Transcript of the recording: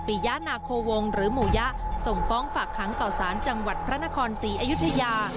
ปริยนาโควงหรือหมูยะส่งป้องฝากขังเกาะศาลจังหวัดพระนครศรีอยุธยา